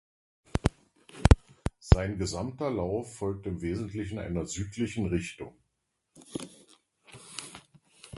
Sein gesamter Lauf folgt im Wesentlichen einer südlichen Richtung.